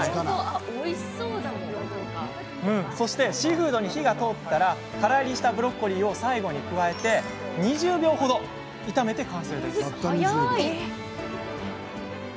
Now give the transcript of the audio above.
そしてシーフードに火が通ったらからいりしたブロッコリーを最後に加えて２０秒程、炒めて完成です。